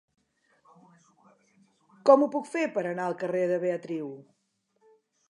Com ho puc fer per anar al carrer de Beatriu?